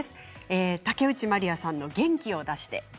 竹内まりやさんの「元気を出して」。